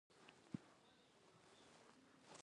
په پښتانو کې اتیستان ډیر سوې دي